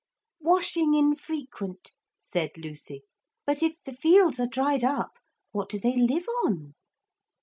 'Washing infrequent,' said Lucy; 'but if the fields are dried up, what do they live on?'